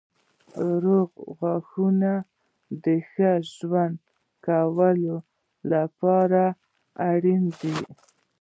روغ غاښونه د ښه ژوند کولو لپاره اړین دي.